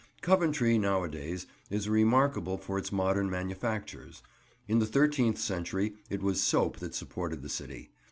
Coventry nowadays is remarkable for its modern manufactures. In the thirteenth century it was soap that supported the city.